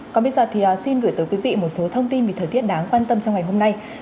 còn bây giờ thì xin gửi tới quý vị một số thông tin về thời tiết đáng quan tâm trong ngày hôm nay